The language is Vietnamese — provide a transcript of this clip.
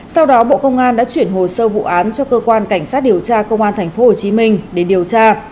sau đó bộ công an đã chuyển hồ sơ vụ án cho cơ quan cảnh sát điều tra công an tp hcm để điều tra